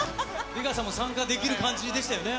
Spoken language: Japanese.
出川さんも参加できる感じでしたよね。